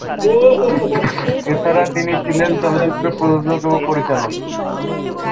এছাড়া তিনি ছিলেন চলচ্চিত্র প্রযোজক ও পরিচালক।